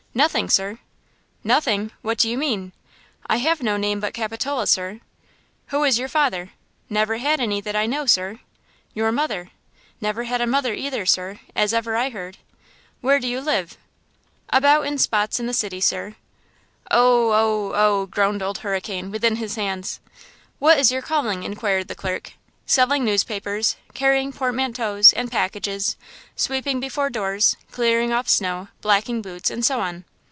"Nothing sir." "Nothing! What do you mean?" "I have no name but Capitola, sir." "Who is your father?" "Never had any that I know, sir." "Your mother?" "Never had a mother either, sir, as ever I heard." "Where do you live?" "About in spots in the city, sir." "Oh–oh–oh!" groaned Old Hurricane within his hands. "What is your calling?" inquired the clerk. "Selling newspapers, carrying portmanteaus and packages, sweeping before doors, clearing off snow, blacking boots and so on."